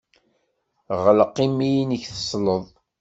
Ɣleq imi-nnek, tesleḍ.